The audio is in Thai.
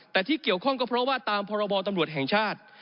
แต่ที่เกี่ยวข้องก็เพราะว่าตามพรบตำรวจแห่งชาติ